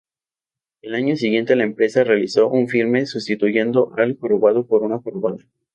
El año siguiente, la empresa realizó un filme, sustituyendo al jorobado por una jorobada.